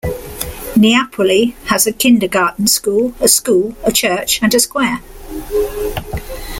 Neapoli has a kindergarten school, a school, a church and a square.